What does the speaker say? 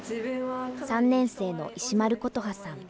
３年生の石丸琴葉さん。